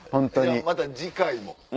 また次回も。